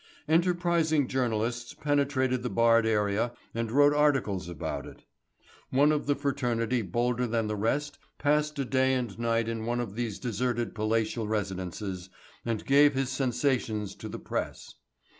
Enterprising journalists penetrated the barred area and wrote articles about it. One of the fraternity bolder than the rest passed a day and night in one of these deserted palatial residences, and gave his sensations to the Press.